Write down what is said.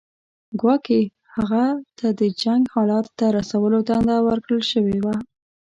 ګواکې هغه ته د جنګ حالت ته رسولو دنده ورکړل شوې وه.